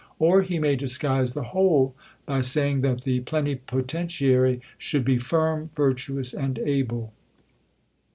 Or he may disguise the whole by saying, that the plenipotentiary should be firm, virtuous, and able.